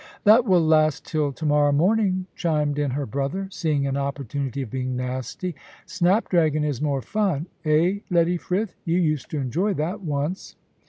"That will last till to morrow morning," chimed in her brother, seeing an opportunity of being nasty; "snap dragon is more fun. Eh, Lady Frith you used to enjoy that once."